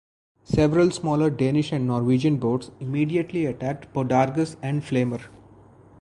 Several smaller Danish and Norwegian boats immediately attacked "Podargus" and "Flamer".